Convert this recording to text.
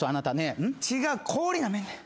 違う氷なめんねん。